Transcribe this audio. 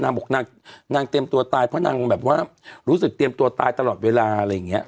นางบอกนางเตรียมตัวตายเพราะนางแบบว่ารู้สึกเตรียมตัวตายตลอดเวลาอะไรอย่างนี้